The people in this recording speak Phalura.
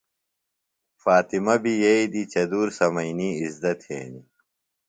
فاطمہ بیۡ یئیی دی چدُور سمئینی اِزدہ تھینیۡ۔